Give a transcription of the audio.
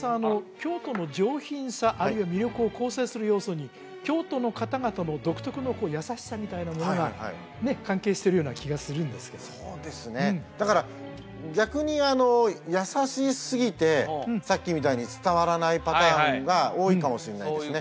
京都の上品さあるいは魅力を構成する要素に京都の方々の独特のこう優しさみたいなものがね関係してるような気がするんですけどそうですねだから逆に優しすぎてさっきみたいに伝わらないパターンが多いかもしれないですね